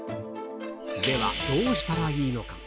では、どうしたらいいのか。